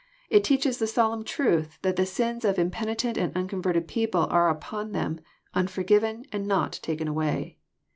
It teaches the solemn truth that the sins of impenitent and unconverted people are upon them, unforgiven, and not taken away.